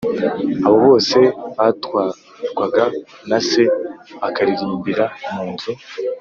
Abo bose batwarwaga na se bakaririmbira mu nzu